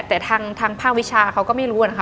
แต่ทางภาควิชาเขาก็ไม่รู้นะคะ